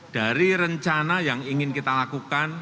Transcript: dari rencana yang ingin kita lakukan